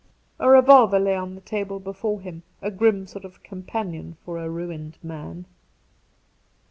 A revolver lay on the table before him — a grim sort of companion for a ruined man.